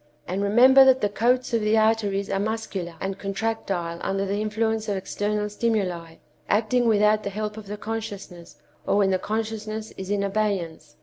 And remember that the coats of the arteries are muscular and contractile under the influence of external stimuli, acting without the help of the consciousness, or when the consciousness is in abeyance.